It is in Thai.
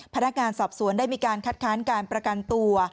พนักงานสอบสวนได้มีการคัดค้านการประกันตัว